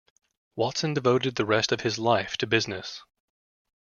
Watson devoted the rest of his life to business.